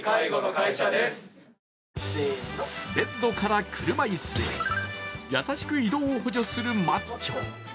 ベッドから車椅子へ、優しく移動を補助するマッチョ。